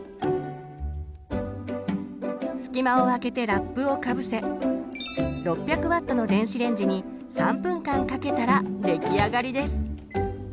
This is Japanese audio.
隙間をあけてラップをかぶせ６００Ｗの電子レンジに３分間かけたら出来上がりです。